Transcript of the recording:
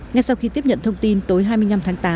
ngay sau khi tiếp nhận thông tin tối hai mươi năm tháng tám